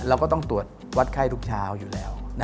เราก็ต้องตรวจวัดไข้ทุกเช้าอยู่แล้ว